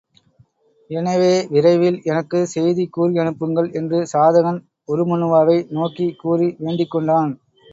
எனவே விரைவில் எனக்குச் செய்தி கூறி அனுப்புங்கள் என்று சாதகன், உருமண்ணுவாவை நோக்கிக் கூறி வேண்டிக் கொண்டான்.